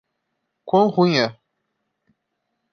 Quão ruim é